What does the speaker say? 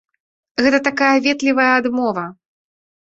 Гэта такая ветлівая адмова.